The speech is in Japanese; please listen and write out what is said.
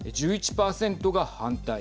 １１％が反対。